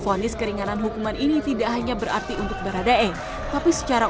para lpsk menyebut fondis keringanan hukuman ini tidak hanya berarti untuk beradaeng tapi secara